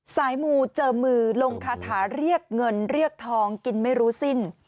สายมูเจอมือลงคาถาเรียกเงินเรียกทองกินไม่รู้สิ้น